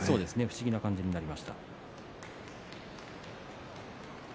不思議な感じになりました。